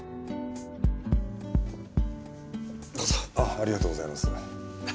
ありがとうございます。